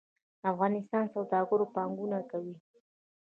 د افغانستان سوداګر پانګونه کوي